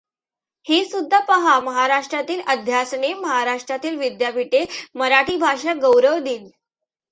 हे सुद्धा पहा महाराष्ट्रातील अध्यासने महाराष्ट्रातील विद्यापीठे मराठी भाषा गौरव दिन.